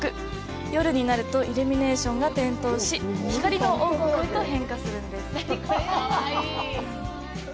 夜になるとイルミネーションが点灯し光の王国へと変化するんです。